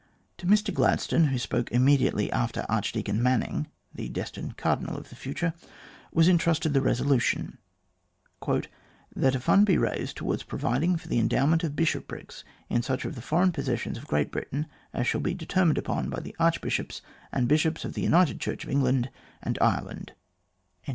To Mr Gladstone, who spoke immediately after Archdeacon Manning (the destined Cardinal of the future), was entrusted the resolution: " That a fund be raised towards providing for the endow ment of bishoprics in such of the foreign possessions of Great Britain as shall be determined upon by the Arch bishops and Bishops of the United Church of England and Ireland."